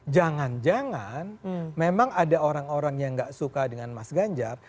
jangan jangan memang ada orang orang yang gak suka dengan mas ganjar